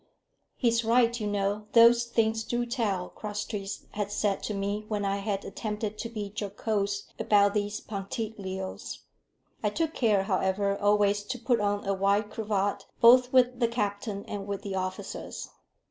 "He's right, you know; those things do tell," Crosstrees had said to me when I had attempted to be jocose about these punctilios. I took care, however, always to put on a white cravat both with the captain and with the officers.